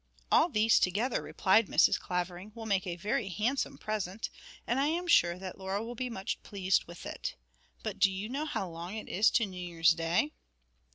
'All these together,' replied Mrs. Clavering, 'will make a very handsome present, and I am sure that Laura will be much pleased with it. But do you know how long it is to New Year's Day?'